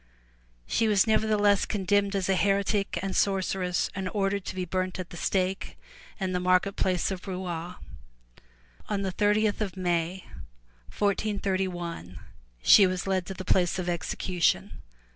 *' She was nevertheless condemned as a heretic and sorceress and ordered to be burnt at the stake in the market place at Rouen. On the thirtieth of May, 1431, she was led to the place of execu tion.